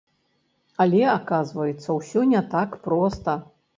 Але, аказваецца, усё не так проста.